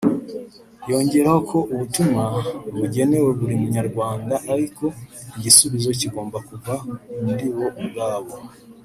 yongeraho ko ubutumwa bugenewe buri munyarwanda ariko igisubizo kigomba kuva muri bo ubwabo